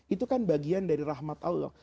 itu kan bagian dari rahmat allah